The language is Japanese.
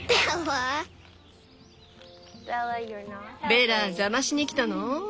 ベラ邪魔しにきたの？